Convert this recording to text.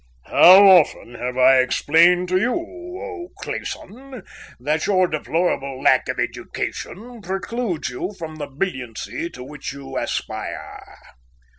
"How often have I explained to you, O Clayson, that your deplorable lack of education precludes you from the brilliancy to which you aspire?"